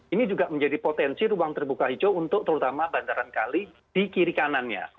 ini juga menjadi potensi ruang terbuka hijau untuk terutama bandaran kali di kiri kanannya